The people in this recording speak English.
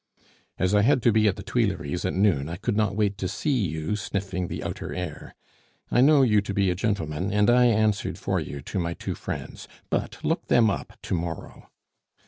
As I had to be at the Tuileries at noon, I could not wait to see you sniffing the outer air. I know you to be a gentleman, and I answered for you to my two friends but look them up to morrow.